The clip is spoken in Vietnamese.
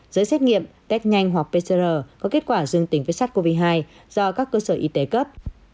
giấy xét nghiệm test nhanh hoặc pcr có kết quả dương tình với sát covid một mươi chín do các cơ sở y tế cấp